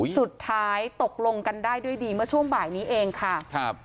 สุดท้ายตกลงกันได้ด้วยดีเมื่อช่วงบ่ายนี้เองค่ะครับ